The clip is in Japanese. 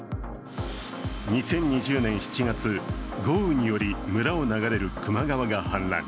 ２０２０年７月、豪雨により村を流れる球磨川が氾濫。